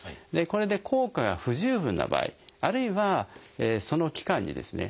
これで効果が不十分な場合あるいはその期間にですね